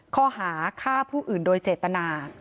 ข้อหาฆ่าผู้อื่นโดยเจตนา